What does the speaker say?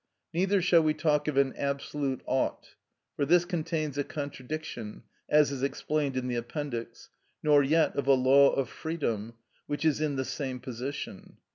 Neither shall we talk of an "absolute ought," for this contains a contradiction, as is explained in the Appendix; nor yet of a "law of freedom," which is in the same position.